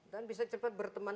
dan bisa cepat berteman